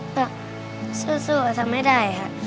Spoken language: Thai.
แบบสู้สู้ก็ทำไม่ได้ค่ะ